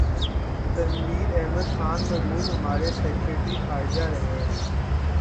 تنویر احمد خان مرحوم ہمارے سیکرٹری خارجہ رہے ہیں۔